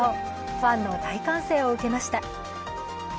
ファンの大歓声を受けました。